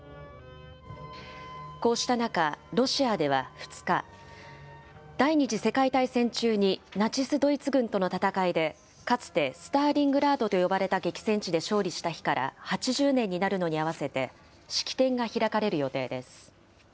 こうした中、ロシアでは２日、第２次世界大戦中にナチス・ドイツ軍との戦いで、かつてスターリングラードと呼ばれた激戦地で勝利した日から８０年になるのに合わせて、式典が開かれる予定です。